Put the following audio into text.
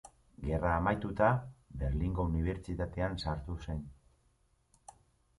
Gerra amaituta, Berlingo Unibertsitatean sartu zen.